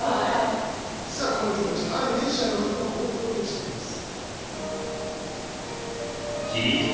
さあこの気持ちあるミュージシャンの方もこう表現しています。